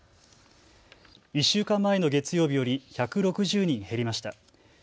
１週間前の月曜日より１６０人減りました。